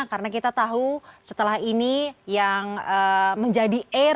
karena kita tahu setelah ini yang menjadi air